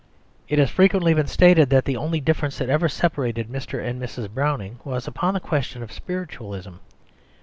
It has frequently been stated that the only difference that ever separated Mr. and Mrs. Browning was upon the question of spiritualism.